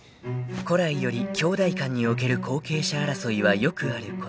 ［古来より兄弟間における後継者争いはよくあること］